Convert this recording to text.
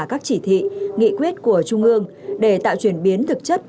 các chỉ thị nghị quyết của trung ương để tạo chuyển biến thực chất